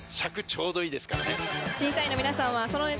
尺ちょうどいいですからね。